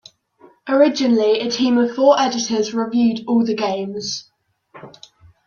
Originally, a team of four editors reviewed all the games.